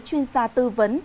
chuyên gia tư vấn